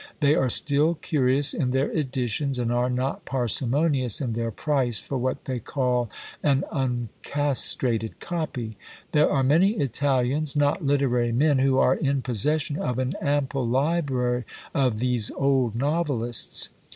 They are still curious in their editions, and are not parsimonious in their price for what they call an uncastrated copy. There are many Italians, not literary men, who are in possession of an ample library of these old novelists.